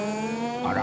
あら？